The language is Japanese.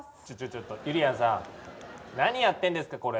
ちょちょちょっとゆりやんさん何やってんですか？